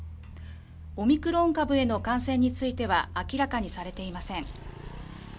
オミクロン株への感染については明らかにされていません。